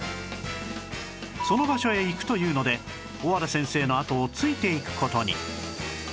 その場所へ行くというので小和田先生の後をついていく事に